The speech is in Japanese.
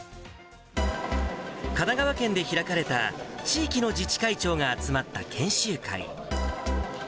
神奈川県で開かれた地域の自治会長が集まった研修会。